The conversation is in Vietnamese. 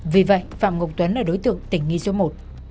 vì vậy phạm ngọc tuấn là đối tượng tỉnh nghi số một